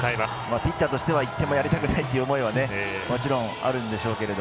ピッチャーとしては１点もやりたくないという思いはもちろんあるんでしょうけど。